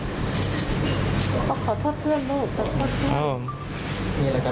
ก็บอกขอโทษก็ไม่เสียอายนะ